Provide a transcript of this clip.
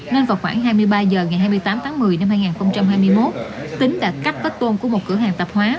nên vào khoảng hai mươi ba h ngày hai mươi tám tháng một mươi năm hai nghìn hai mươi một tính đã cắt vết tôn của một cửa hàng tạp hóa